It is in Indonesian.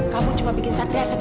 kamu cuma bikin sateria sedih